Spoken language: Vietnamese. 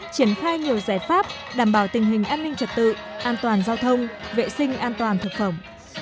triển khai nhiều giải pháp đảm bảo tình hình an ninh trật tự an toàn giao thông vệ sinh an toàn thực phẩm